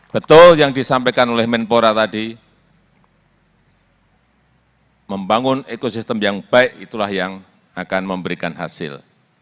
betul yang disampaikan oleh menpora tadi membangun ekosistem yang baik itulah yang akan memberikan hasil